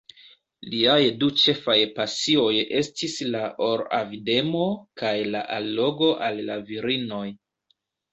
Liaj du ĉefaj pasioj estis la or-avidemo kaj la allogo al la virinoj.